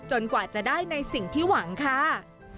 กว่าจะได้ในสิ่งที่หวังค่ะ